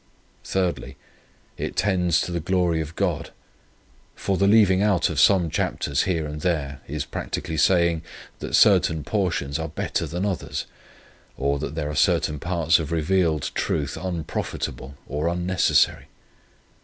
3, It tends to the glory of God; for the leaving out some chapters here and there, is practically saying, that certain portions are better than others: or, that there are certain parts of revealed truth unprofitable or unnecessary.